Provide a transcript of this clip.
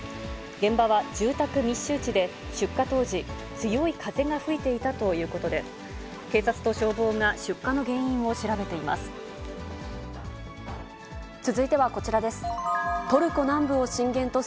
現場は住宅密集地で、出火当時、強い風が吹いていたということで、警察と消防が出火の原因を調べています。